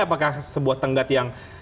apakah sebuah tenggat yang